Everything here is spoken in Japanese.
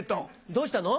どうしたの？